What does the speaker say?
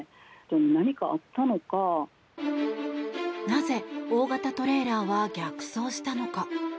なぜ、大型トレーラーは逆走したのか。